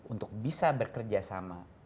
untuk bisa bekerja sama